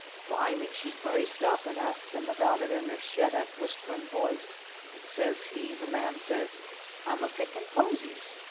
Bimeby she braced up, and she asked him about it in her shet up, whisp'rin' voice. And says he, the man says: "I'm a pickin' posies.